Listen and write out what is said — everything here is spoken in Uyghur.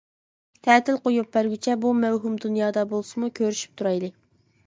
تەتىل قويۇپ بەرگۈچە بۇ مەۋھۇم دۇنيادا بولسىمۇ كۆرۈشۈپ تۇرايلى.